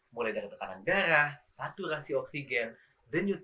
mulai dari tekanan darah saturasi oksigen denyut